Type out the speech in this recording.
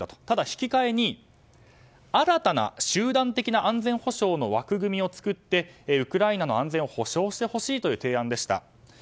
ただ、引き換えに新たな集団的な安全保障の枠組みを作ってウクライナの安全を保障してほしいという提案でした。